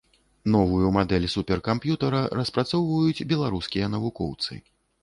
Новую мадэль суперкамп'ютара распрацоўваюць беларускія навукоўцы.